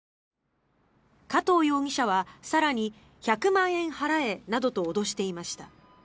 加藤容疑者は更に１００万円払えなどと脅していました。